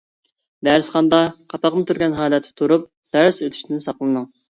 دەرسخانىدا قاپاقنى تۈرگەن ھالەتتە تۇرۇپ دەرس ئۆتۈشتىن ساقلىنىڭ.